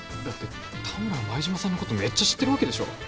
だって田村は舞島さんのことめっちゃ知ってるわけでしょ？